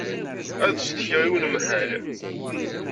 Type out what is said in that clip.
Ad ccetkiɣ i unemhal.